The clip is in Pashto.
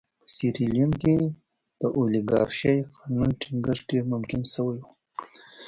په سیریلیون کې د اولیګارشۍ قانون ټینګښت ډېر ممکن شوی و.